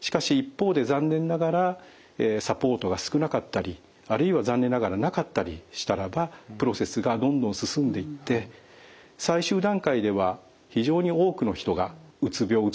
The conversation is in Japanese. しかし一方で残念ながらサポートが少なかったりあるいは残念ながらなかったりしたらばプロセスがどんどん進んでいって最終段階では非常に多くの人がうつ病うつ状態です。